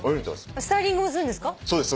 スタイリングもするんですか？